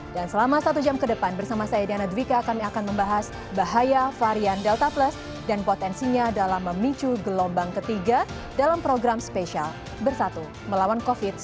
dan selama satu jam ke depan bersama saya diana dwiqa kami akan membahas bahaya varian delta plus dan potensinya dalam memicu gelombang ketiga dalam program spesial bersatu melawan covid sembilan belas